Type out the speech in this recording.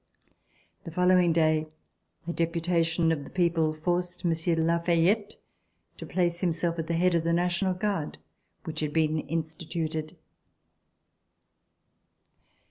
The following day a deputation of the people forced Monsieur de La Fayette to place him self at the head of the National Guard which had been instituted.